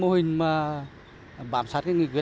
mà chúng tôi đã tập trung vào phát triển kinh tế xã hội